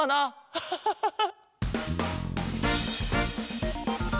ハハハハハ。